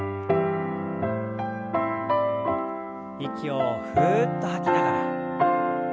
息をふっと吐きながら。